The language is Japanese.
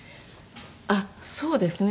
あっそうですね。